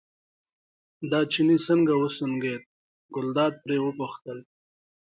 دا چيني څنګه وسونګېد، ګلداد پرې وپوښتل.